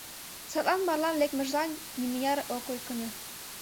Садлан марлан лекмыжлан нимыняр ок ӧкынӧ.